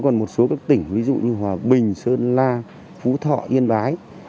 còn một số tỉnh như hòa bình sơn la phú thọ yên bái